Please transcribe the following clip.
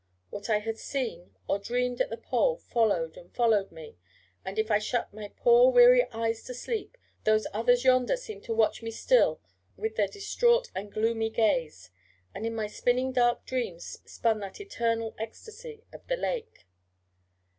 What I had seen, or dreamed, at the Pole followed and followed me; and if I shut my poor weary eyes to sleep, those others yonder seemed to watch me still with their distraught and gloomy gaze, and in my spinning dark dreams spun that eternal ecstasy of the lake.